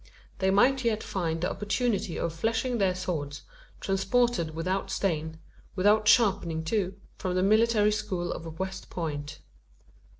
They might yet find the opportunity of fleshing their swords, transported without stain without sharpening, too from the military school of West Point.